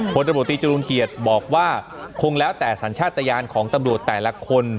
ตำรวจตีจรูลเกียรติบอกว่าคงแล้วแต่สัญชาติยานของตำรวจแต่ละคน